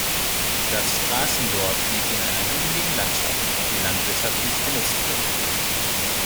Das Straßendorf liegt in einer hügeligen Landschaft, die landwirtschaftlich genutzt wird.